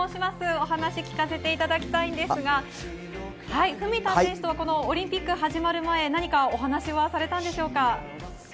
お話聞かせていただきたいんですが、文田選手とはオリンピック始まる前、何かお話はされたんでしょうか？